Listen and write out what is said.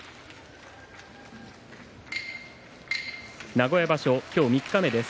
名古屋場所三日目です。